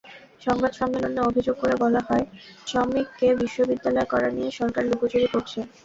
সংবাদ সম্মেলনে অভিযোগ করে বলা হয়, চমেককে বিশ্ববিদ্যালয় করা নিয়ে সরকার লুকোচুরি করছে।